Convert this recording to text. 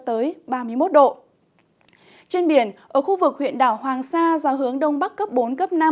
trên biển ở khu vực huyện đảo hoàng sa do hướng đông bắc cấp bốn năm